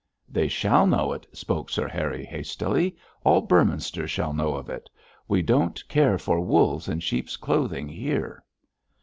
'They shall know it,' spoke Sir Harry, hastily. 'All Beorminster shall know of it. We don't care for wolves in sheep's clothing here.'